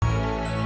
iya betul pak